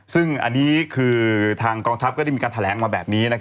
ซึ่งอันนี้คือทางกองทัพก็ได้มีการแถลงมาแบบนี้